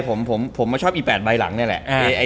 ผมชอบอี๘ใบหลังเนี่ยแหละ